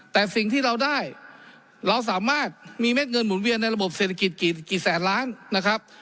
แต่สิ่งที่เราได้เราสามารถมีเม็ดเงินหมุนเวียนในระบบเศรษฐกิจกี่แสนล้านนะครับ